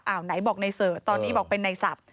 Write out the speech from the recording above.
อ้าวไหนบอกนายเสิร์ชตอนนี้บอกเป็นนายสับ